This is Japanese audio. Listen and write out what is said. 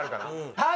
はい！